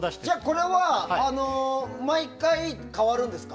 これは、毎回変わるんですか？